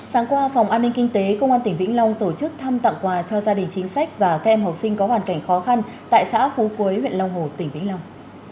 sáng qua phòng an ninh kinh tế công an tỉnh vĩnh long tổ chức thăm tặng quà cho gia đình chính sách và các em học sinh có hoàn cảnh khó khăn tại xã phú quế huyện long hồ tỉnh vĩnh long